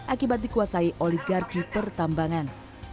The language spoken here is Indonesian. akibat dikuasai oligarki pertambangan